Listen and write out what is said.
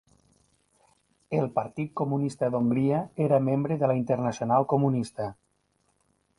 El Partit Comunista d'Hongria era membre de la Internacional Comunista.